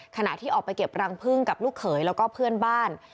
ขณะที่ออกไปเก็บรังพึ่งกับลูกเขยแล้วก็เพื่อนบ้าน